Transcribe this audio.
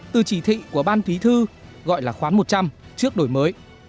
từ chỉ thị của ban thúy thư gọi là khoán một trăm linh trước đổi mới